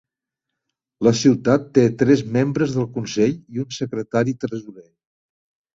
La ciutat té tres membres del consell i un secretari tresorer.